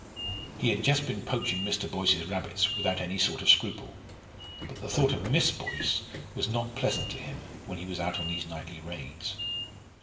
He had just been poaching Mr. Boyce's rabbits without any sort of scruple. But the thought of Miss Boyce was not pleasant to him when he was out on these nightly raids.